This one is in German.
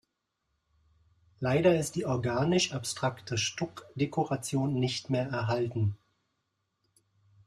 Leider ist die organisch-abstrakte Stuckdekoration nicht mehr erhalten.